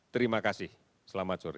terima kasih selamat sore